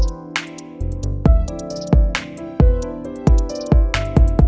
hẹn gặp lại